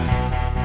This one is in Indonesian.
tuan mudo saktu